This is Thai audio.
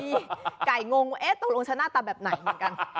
มีไก่งงตกลงชะนาตาแบบไหนเหมือนกัน